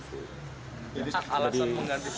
jadi alasan mengganti pak mahyudin itu apa pak